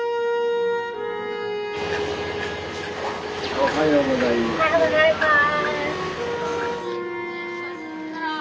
おはようございます。